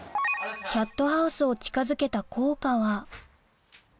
キャットハウスを近づけた効果は？